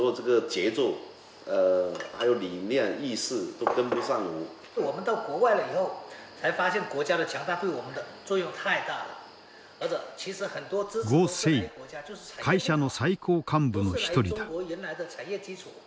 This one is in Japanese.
呉誠会社の最高幹部の一人だ。